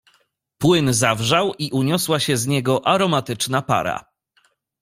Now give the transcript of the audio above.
"Płyn zawrzał i uniosła się z niego aromatyczna para."